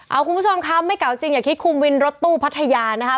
เอาคุณผู้ชมคะไม่เก่าจริงอย่าคิดคุมวินรถตู้พัทยานะคะ